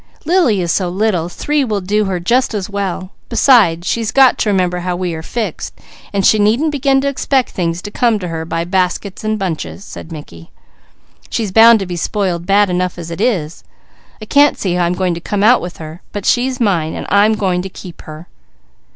"Lily is so little, three will do her just as well; besides, she's got to remember how we are fixed, so she needn't begin to expect things to come her way by baskets and bunches," said Mickey. "She's bound to be spoiled bad enough as it is. I can't see how I'm going to come out with her, but she's mine, and I'm going to keep her."